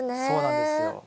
そうなんですよ。